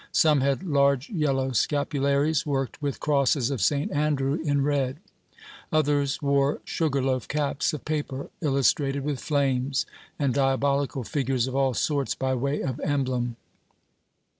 Some had large yellow scapularies, worked with crosses of St Andrew, in red ; others wore sugar loaf caps of paper, illustrated with flames, and diabolical figures of all sorts by way of emblem.